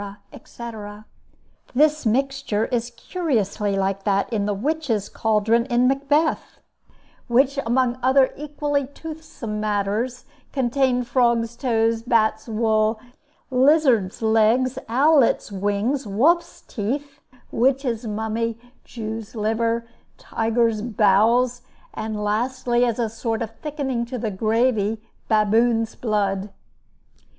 etc. This mixture is curiously like that in the witches' caldron in Macbeth, which, among other equally toothsome matters, contained frogs' toes, bats' wool, lizards' legs, owlets' wings, wolfs' teeth, witches' mummy, Jew's liver, tigers' bowels, and lastly, as a sort of thickening to the gravy, baboon's blood.